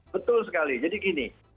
betul sekali jadi gini